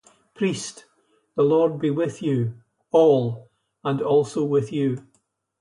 Priest: The Lord be with you. All: And also with you.